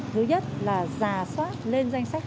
thứ nhất là giả soát lên danh sách